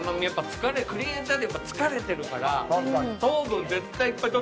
クリエイターってやっぱ疲れてるから糖分絶対いっぱい取った方がいい。